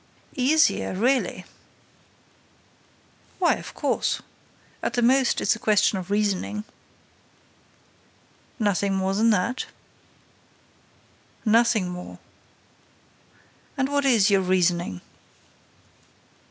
"Easier, really?" "Why, of course. At the most, it's a question of reasoning." "Nothing more than that?" "Nothing more." "And what is your reasoning?"